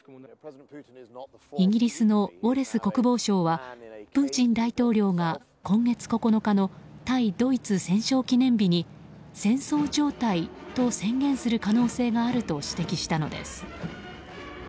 イギリスのウォレス国防相はプーチン大統領が今月９日の対ドイツ戦勝記念日に戦争状態と宣言する可能性があると指摘したのです。